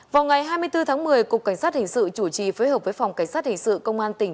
vào ngày hai mươi bốn tháng một mươi cục cảnh sát hình sự chủ trì phối hợp với phòng cảnh sát hình sự công an tỉnh